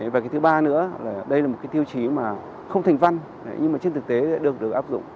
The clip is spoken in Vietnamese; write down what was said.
và cái thứ ba nữa là đây là một cái tiêu chí mà không thành văn nhưng mà trên thực tế được được áp dụng